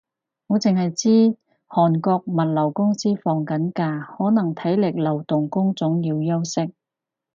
我剩係知韓國物流公司放緊暑假，可能體力勞動工種要休息